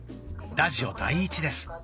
ラジオ第１です。